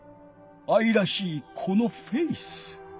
あいらしいこのフェース。